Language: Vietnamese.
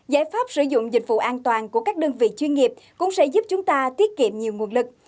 giải pháp sử dụng dịch vụ an toàn của các đơn vị chuyên nghiệp cũng sẽ giúp chúng ta tiết kiệm nhiều nguồn lực